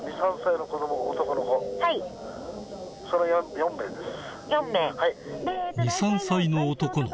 その４名です。